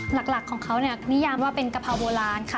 หลักของเขานิยามว่าเป็นกะพร้าวโบราณค่ะ